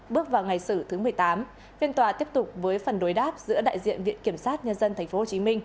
hai nghìn một mươi tám phiên tòa tiếp tục với phần đối đáp giữa đại diện viện kiểm sát nhân dân tp hcm